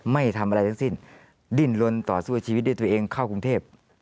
ไม่ทำอะไรทั้งสิ้นดิ้นลนต่อสู้ชีวิตด้วยตัวเองเข้ากรุงเทพ